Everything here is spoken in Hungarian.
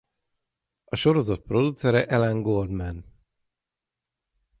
A sorozat producere Alain Goldman.